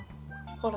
ほら！